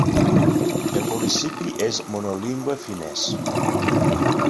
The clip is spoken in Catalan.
El municipi és monolingüe finès.